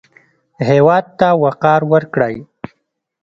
هېواد ته وقار ورکړئ